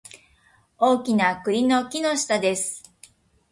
大きな栗の木の下です